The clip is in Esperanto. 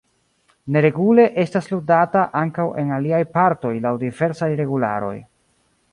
Neregule estas ludata ankaŭ en aliaj partoj laŭ diversaj regularoj.